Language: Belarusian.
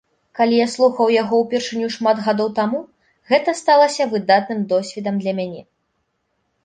Калі я слухаў яго ўпершыню шмат гадоў таму, гэта сталася выдатным досвед для мяне.